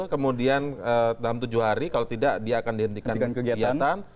kemudian dalam tujuh hari kalau tidak dia akan dihentikan kegiatan